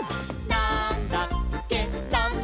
なんだっけ？！」